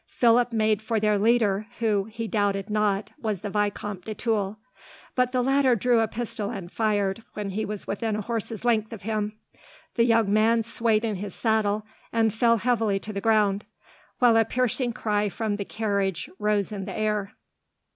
Philip made for their leader, who, he doubted not, was the Vicomte de Tulle, but the latter drew a pistol and fired, when he was within a horse's length of him. The young man swayed in his saddle, and fell heavily to the ground, while a piercing cry from the carriage rose in the air.